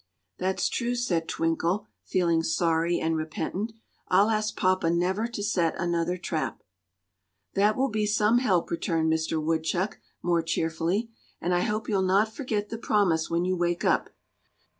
"That's true," said Twinkle, feeling sorry and repentant. "I'll ask papa never to set another trap." "That will be some help," returned Mister Woodchuck, more cheerfully, "and I hope you'll not forget the promise when you wake up.